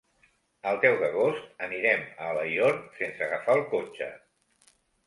El deu d'agost anirem a Alaior sense agafar el cotxe.